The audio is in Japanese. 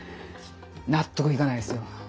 納得いかないですよ。